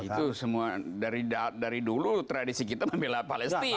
itu semua dari dulu tradisi kita membela palestina